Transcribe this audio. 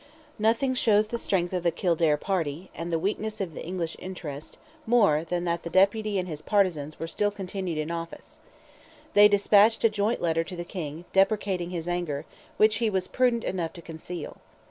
Nothing shows the strength of the Kildare party, and the weakness of the English interest, more than that the deputy and his partizans were still continued in office. They despatched a joint letter to the King, deprecating his anger, which he was prudent enough to conceal.